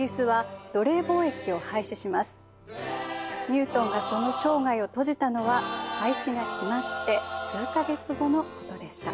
ニュートンがその生涯を閉じたのは廃止が決まって数か月後のことでした。